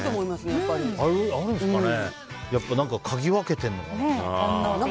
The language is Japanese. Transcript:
やっぱ、かぎ分けてるのかな。